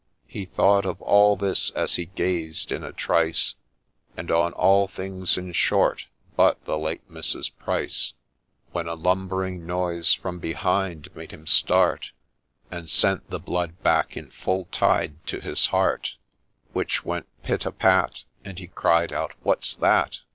He thought of all this, as he gazed, in a trice, And on all things, in short, but the late Mrs. Pryce ; When a lumbering noise from behind made him start, And sent the blood back in full tide to his heart, Which went pit a pat As he cried out, ' What 's that